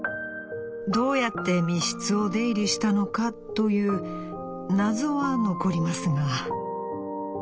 どうやって密室を出入りしたのかという謎は残りますが』」。